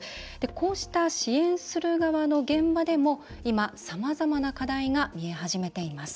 こうした支援する側の現場でも今、さまざまな課題が見え始めています。